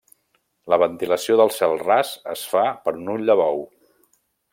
La ventilació del cel ras es fa per un ull de bou.